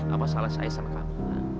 apa salah saya sama kamu